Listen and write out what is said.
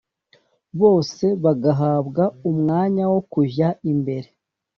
bose bagahabwa umwanya wo kujya imbere